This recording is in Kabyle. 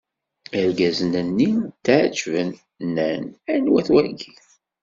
Irgazen-nni tɛeǧǧben, nnan: Anwa-t wagi?